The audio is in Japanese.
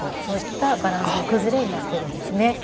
そういったバランスの崩れになっているんですね。